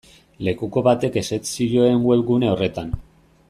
Lekuko batek ezetz zioen webgune horretan.